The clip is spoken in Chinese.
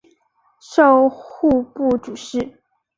授户部主事。